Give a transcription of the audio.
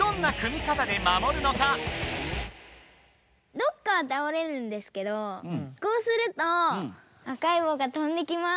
どっかはたおれるんですけどこうすると赤い棒がとんできます。